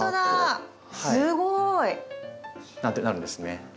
すごい！なんてなるんですね。